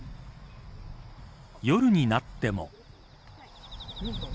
夜になっても。